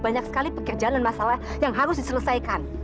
banyak sekali pekerjaan dan masalah yang harus diselesaikan